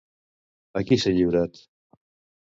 A qui s'ha lliurat?